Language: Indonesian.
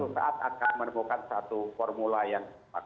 pertama kita harus menemukan satu formula yang tepat